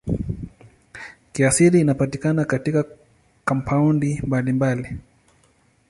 Kiasili inapatikana katika kampaundi mbalimbali.